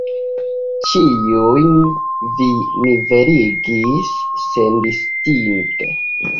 Ĉiujn vi niveligis sendistinge.